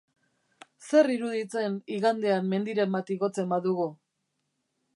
Zer iruditzen igandean mendiren bat igotzen badugu?